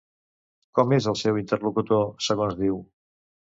Com és el seu interlocutor, segons diu?